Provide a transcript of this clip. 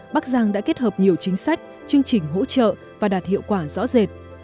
bắc giang đã kết hợp nhiều chính sách chương trình hỗ trợ và đạt hiệu quả rõ rệt